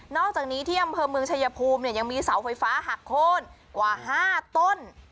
อกจากนี้ที่อำเภอเมืองชายภูมิเนี่ยยังมีเสาไฟฟ้าหักโค้นกว่า๕ต้น